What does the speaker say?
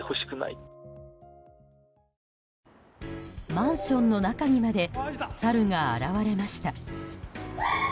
マンションの中にまでサルが現れました。